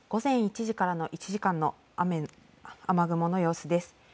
午前１時からの１時間の雨雲の様子です。